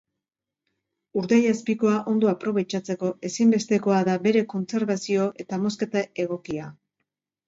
Urdaiazpikoa ondo aprobetxatzeko ezinbestekoa da bere kontserbazio eta mozketa egokia.